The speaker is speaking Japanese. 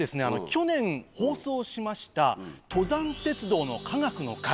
去年放送しました登山鉄道の科学の回。